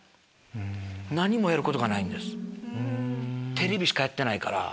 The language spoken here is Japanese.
テレビしかやってないから。